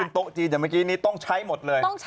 ขึ้นโต๊คจีนแต่เมื่อกี้นี่ต้องใช้หมดเลย